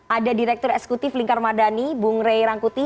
ada direktur eksekutif lingkar madani bung rey rangkuti